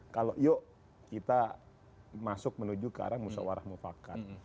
kalau yuk kita masuk menuju ke arah musawarah mufakat